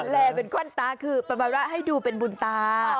แลเป็นขวนตาคือประมาณระให้ดูเป็นบุญตา